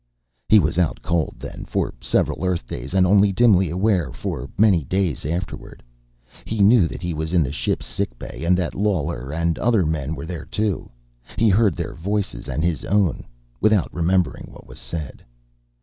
He was out cold, then, for several Earth days, and only dimly aware for many days afterward. He knew that he was in the ship's sick bay, and that Lawler and other men were there, too. He heard their voices, and his own, without remembering what was said.